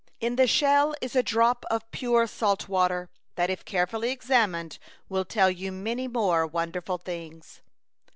In the shell is a drop of pure salt water that if carefully examined will tell you many more wonderful things."